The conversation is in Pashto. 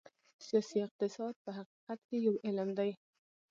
سیاسي اقتصاد په حقیقت کې یو علم دی.